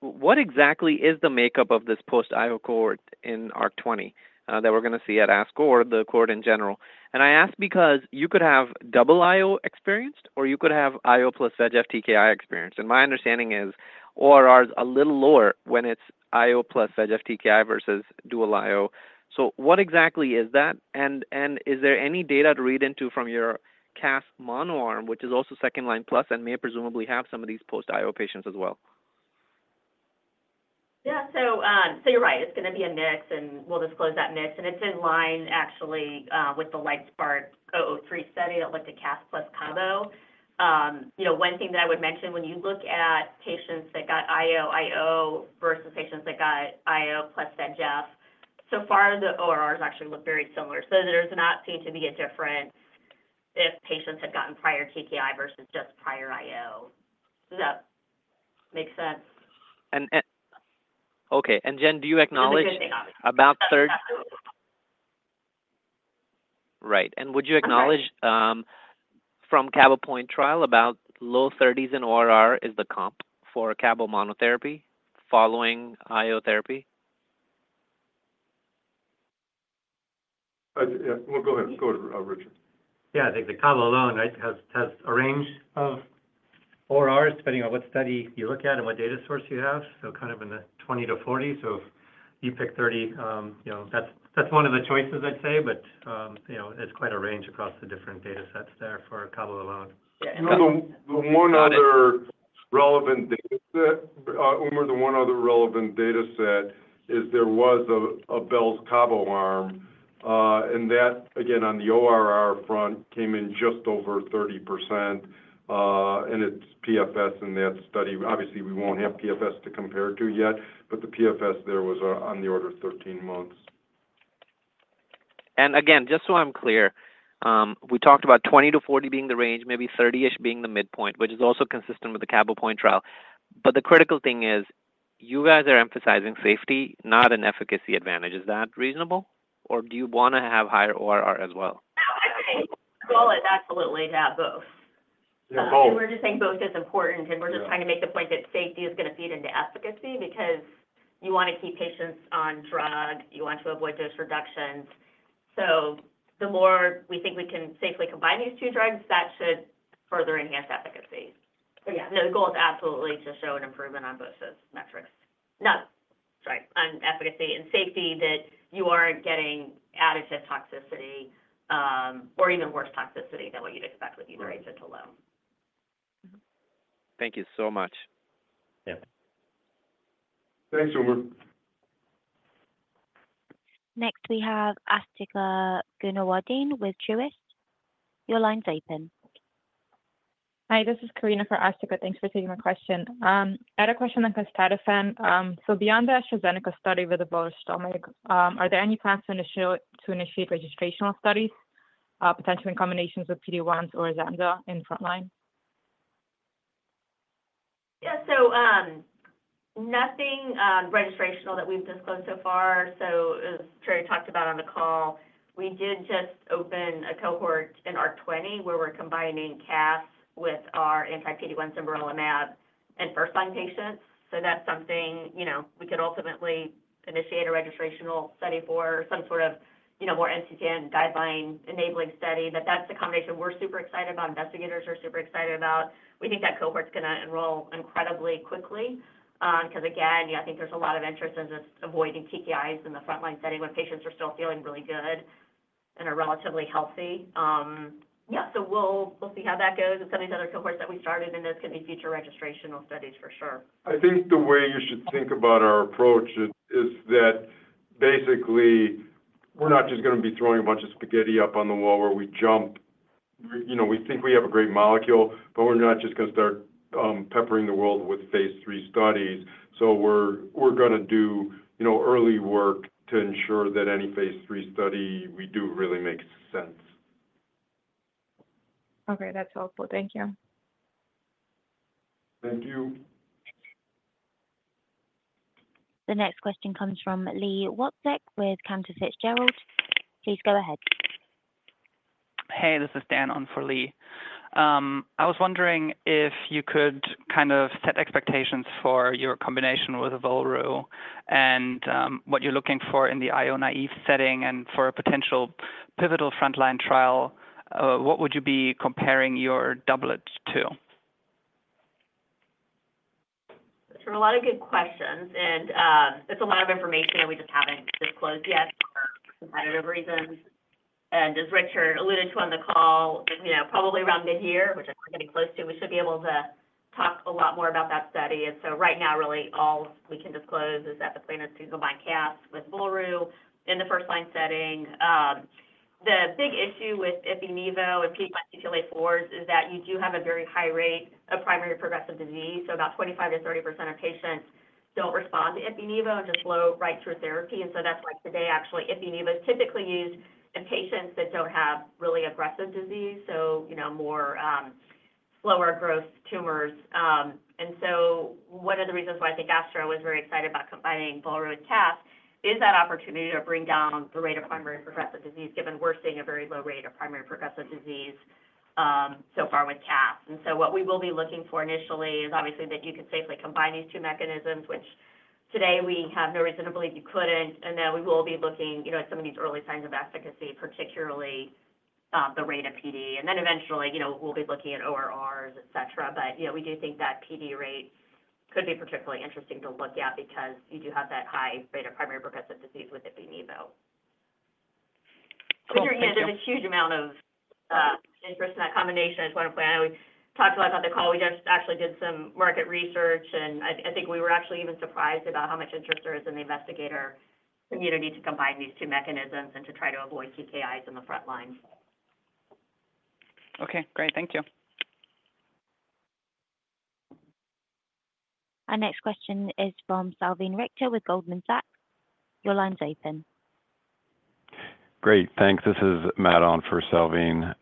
what exactly is the makeup of this post-IO cohort in ARC-20 that we're going to see at ASCO or the cohort in general? I ask because you could have double IO experienced, or you could have IO plus VEGF TKI experienced. My understanding is ORR is a little lower when it's IO plus VEGF TKI versus dual IO. What exactly is that? Is there any data to read into from your casdatifan mono arm, which is also second line plus and may presumably have some of these post-IO patients as well? Yeah. You're right. It's going to be a mix, and we'll disclose that mix. It's in line actually with the Lightspark 003 study that looked at casdatifan plus combo. One thing that I would mention, when you look at patients that got IO IO versus patients that got IO plus VEGF, so far, the ORRs actually look very similar. There does not seem to be a difference if patients have gotten prior TKI versus just prior IO. Does that make sense? Okay. Jen, do you acknowledge about 30? Right. Would you acknowledge from Cabo Point Trial about low 30s in ORR is the comp for Cabo monotherapy following IO therapy? Go ahead. Go ahead, Richard. Yeah. I think the combo alone has a range of ORRs depending on what study you look at and what data source you have. Kind of in the 20-40. If you pick 30, that's one of the choices, I'd say. It is quite a range across the different data sets there for cabo alone. Yeah. One other relevant data set, Umer, the one other relevant data set is there was a belzutifan cabo arm. That, again, on the ORR front, came in just over 30%. Its PFS in that study, obviously, we won't have PFS to compare to yet, but the PFS there was on the order of 13 months. Again, just so I'm clear, we talked about 20-40 being the range, maybe 30-ish being the midpoint, which is also consistent with the Cabo Point Trial. The critical thing is you guys are emphasizing safety, not an efficacy advantage. Is that reasonable? Or do you want to have higher ORR as well? I think goal is absolutely to have both. We are just saying both is important. We are just trying to make the point that safety is going to feed into efficacy because you want to keep patients on drug. You want to avoid dose reductions. The more we think we can safely combine these two drugs, that should further enhance efficacy. Yeah, the goal is absolutely to show an improvement on both those metrics. Not, sorry, on efficacy and safety that you are not getting additive toxicity or even worse toxicity than what you would expect with either agent alone. Thank you so much. Yeah. Thanks, Umer. Next, we have Asthika Goonewardene with Truist. Your line is open. Hi. This is Karina for Asthika. Thanks for taking my question. I had a question on casdatifan. Beyond the AstraZeneca study with the bowel or stomach, are there any plans to initiate registrational studies, potentially in combinations with PD-1s or zimberelimab in the front line? Yeah. Nothing registrational that we've disclosed so far. As Terry talked about on the call, we did just open a cohort in ARC-20 where we're combining casdatifan with our anti-PD-1s and zimberelimab in first-line patients. That's something we could ultimately initiate a registrational study for, some sort of more NCCN guideline-enabling study. That's a combination we're super excited about. Investigators are super excited about it. We think that cohort's going to enroll incredibly quickly because, again, I think there's a lot of interest in just avoiding TKIs in the front-line setting when patients are still feeling really good and are relatively healthy. Yeah. We'll see how that goes. Some of these other cohorts that we started in, those could be future registrational studies for sure. I think the way you should think about our approach is that basically, we're not just going to be throwing a bunch of spaghetti up on the wall where we jump. We think we have a great molecule, but we're not just going to start peppering the world with phase three studies. We're going to do early work to ensure that any phase three study we do really makes sense. Okay. That's helpful. Thank you. Thank you. The next question comes from Li Watsek with Cantor Fitzgerald. Please go ahead. Hey, this is Dan on for Li. I was wondering if you could kind of set expectations for your combination with Volrustomig and what you're looking for in the IO naive setting and for a potential pivotal front-line trial. What would you be comparing your doublet to? Those are a lot of good questions. It's a lot of information that we just haven't disclosed yet for competitive reasons. As Richard alluded to on the call, probably around mid-year, which we're getting close to, we should be able to talk a lot more about that study. Right now, really, all we can disclose is that the plan is to combine casdatifan with Volrustomig in the first-line setting. The big issue with IpiNevo and PD-1 and CTLA-4s is that you do have a very high rate of primary progressive disease. About 25-30% of patients don't respond to IpiNevo and just blow right through therapy. That is why today, actually, IpiNevo is typically used in patients that don't have really aggressive disease, so more slower-growth tumors. One of the reasons why I think Astra was very excited about combining Volro and cast is that opportunity to bring down the rate of primary progressive disease, given we're seeing a very low rate of primary progressive disease so far with cast. What we will be looking for initially is obviously that you can safely combine these two mechanisms, which today we have no reason to believe you couldn't. Then we will be looking at some of these early signs of efficacy, particularly the rate of PD. Eventually, we'll be looking at ORRs, etc. We do think that PD rate could be particularly interesting to look at because you do have that high rate of primary progressive disease with IpiNevo. There is a huge amount of interest in that combination, I just want to point out. We talked about it on the call. We just actually did some market research. I think we were actually even surprised about how much interest there is in the investigator community to combine these two mechanisms and to try to avoid TKIs in the front line. Okay. Great. Thank you. Our next question is from Salveen Richter with Goldman Sachs. Your line's open. Great. Thanks. This is Matt on for Salveen.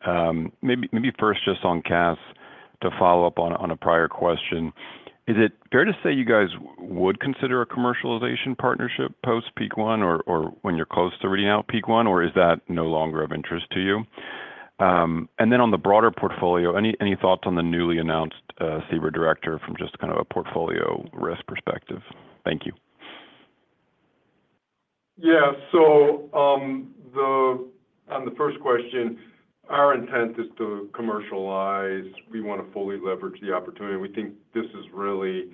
Maybe first just on cas to follow up on a prior question. Is it fair to say you guys would consider a commercialization partnership post PEAK-1 or when you're close to reading out PEAK-1, or is that no longer of interest to you? On the broader portfolio, any thoughts on the newly announced SEBR director from just kind of a portfolio risk perspective? Thank you. Yeah. On the first question, our intent is to commercialize. We want to fully leverage the opportunity. We think this is really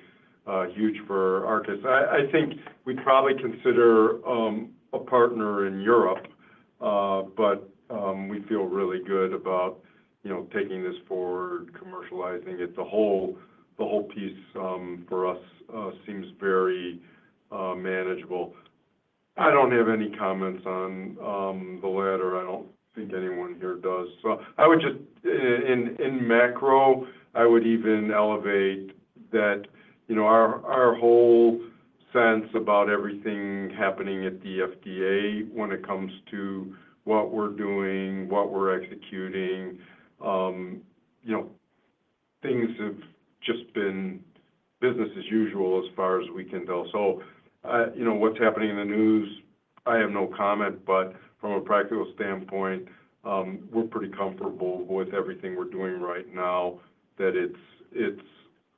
huge for our case. I think we'd probably consider a partner in Europe, but we feel really good about taking this forward, commercializing it. The whole piece for us seems very manageable. I don't have any comments on the latter. I don't think anyone here does. I would just, in macro, even elevate that our whole sense about everything happening at the FDA when it comes to what we're doing, what we're executing, things have just been business as usual as far as we can tell. What's happening in the news, I have no comment. From a practical standpoint, we're pretty comfortable with everything we're doing right now that it's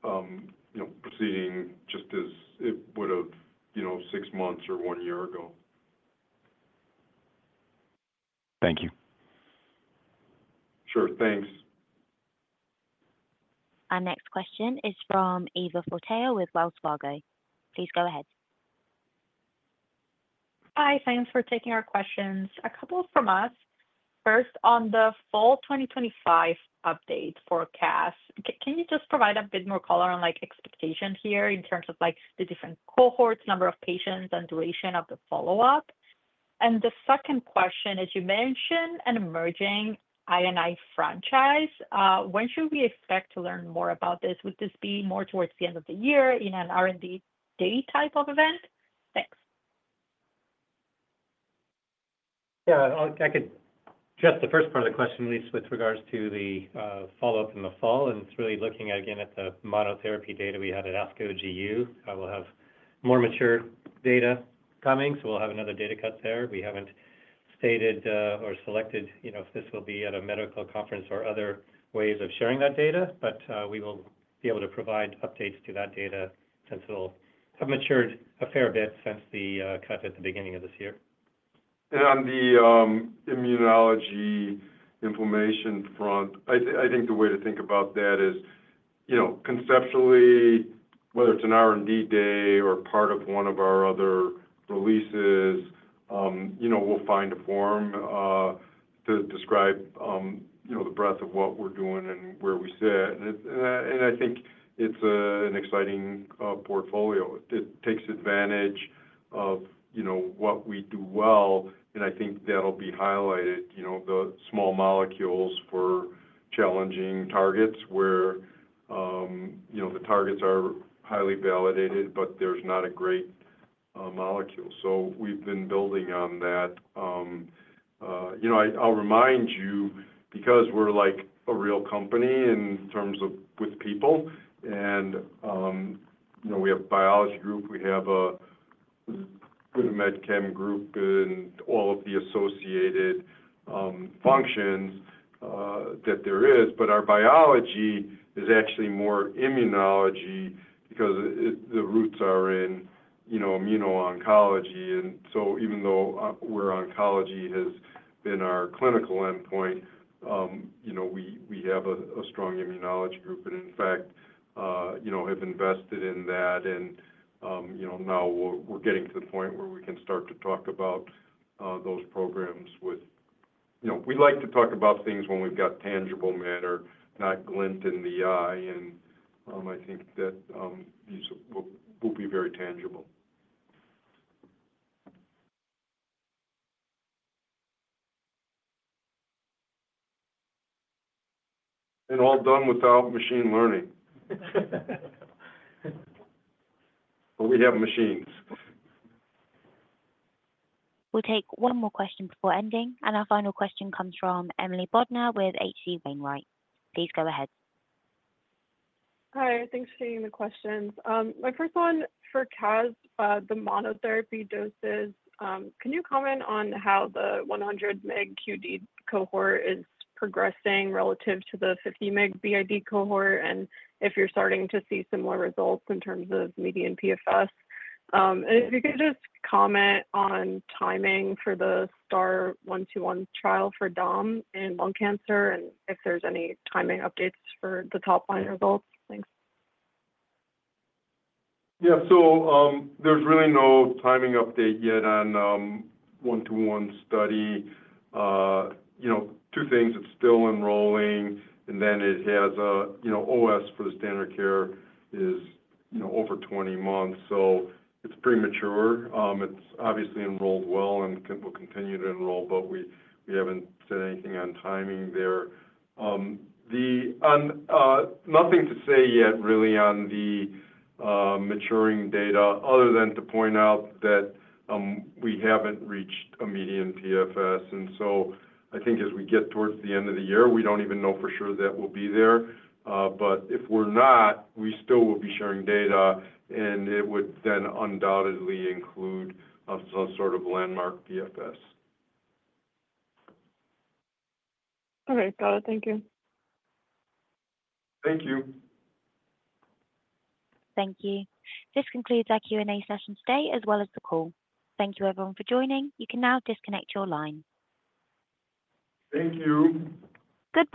proceeding just as it would have six months or one year ago. Thank you. Sure. Thanks. Our next question is from Eva Fortea with Wells Fargo. Please go ahead. Hi. Thanks for taking our questions. A couple from us. First, on the fall 2025 update for cast, can you just provide a bit more color on expectations here in terms of the different cohorts, number of patients, and duration of the follow-up? The second question, as you mentioned, an emerging INI franchise. When should we expect to learn more about this? Would this be more towards the end of the year in an R&D day type of event? Thanks. Yeah. Just the first part of the question, at least with regards to the follow-up in the fall. It's really looking at, again, at the monotherapy data we had at ASCO GU. We'll have more mature data coming. We'll have another data cut there. We haven't stated or selected if this will be at a medical conference or other ways of sharing that data. We will be able to provide updates to that data since it'll have matured a fair bit since the cut at the beginning of this year. On the immunology information front, I think the way to think about that is conceptually, whether it's an R&D day or part of one of our other releases, we'll find a form to describe the breadth of what we're doing and where we sit. I think it's an exciting portfolio. It takes advantage of what we do well. I think that'll be highlighted, the small molecules for challenging targets where the targets are highly validated, but there's not a great molecule. We've been building on that. I'll remind you, because we're like a real company in terms of with people. We have a biology group. We have a med chem group and all of the associated functions that there is. Our biology is actually more immunology because the roots are in immuno-oncology. Even though oncology has been our clinical endpoint, we have a strong immunology group and, in fact, have invested in that. Now we're getting to the point where we can start to talk about those programs. We like to talk about things when we've got tangible matter, not glint in the eye. I think that these will be very tangible. All done without machine learning. We have machines. We'll take one more question before ending. Our final question comes from Emily Bodnar with H.C. Wainwright. Please go ahead. Hi. Thanks for taking the questions. My first one for cas, the monotherapy doses. Can you comment on how the 100 mg QD cohort is progressing relative to the 50 mg BID cohort and if you're starting to see similar results in terms of median PFS? If you could just comment on timing for the STAR-121 trial for DAM in lung cancer and if there's any timing updates for the top-line results? Thanks. Yeah. There's really no timing update yet on 121 study. Two things. It's still enrolling. It has OS for the standard care is over 20 months. It's premature. It's obviously enrolled well and will continue to enroll, but we haven't said anything on timing there. Nothing to say yet really on the maturing data other than to point out that we haven't reached a median PFS. I think as we get towards the end of the year, we don't even know for sure that we'll be there. If we're not, we still will be sharing data. It would then undoubtedly include some sort of landmark PFS. Okay. Got it. Thank you. Thank you. Thank you. This concludes our Q&A session today as well as the call. Thank you, everyone, for joining. You can now disconnect your line. Thank you. Good.